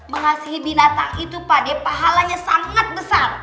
mengasihi binatang itu pak deh pahalanya sangat besar